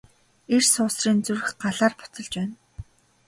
Эр суусрын зүрх Галаар буцалж байна.